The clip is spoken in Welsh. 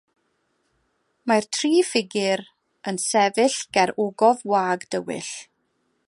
Mae'r tri ffigur yn sefyll ger ogof wag dywyll.